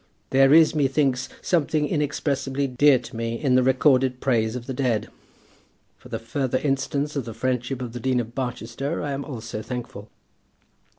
There is, methinks, something inexpressibly dear to me in the recorded praise of the dead. For the further instance of the friendship of the Dean of Barchester, I am also thankful.